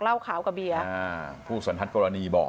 เหล้าขาวกับเบียร์ผู้สันทัศน์กรณีบอก